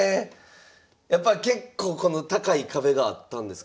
やっぱ結構この高い壁があったんですか